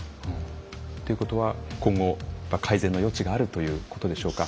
ということは今後改善の余地があるということでしょうか。